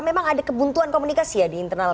memang ada kebuntuan komunikasi ya di internal